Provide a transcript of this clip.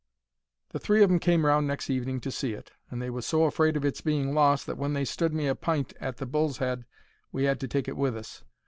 The three of 'em came round next evening to see it, and they was so afraid of its being lost that when they stood me a pint at the Bull's Head we 'ad to take it with us.